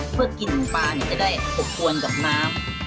เพื่อกินปลาเนี่ยจะได้ปกตวนกับน้ำ